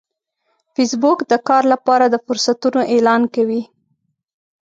فېسبوک د کار لپاره د فرصتونو اعلان کوي